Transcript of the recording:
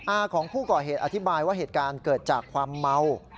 อาของผู้ก่อเหตุอธิบายว่าเหตุการณ์เกิดจากความเมา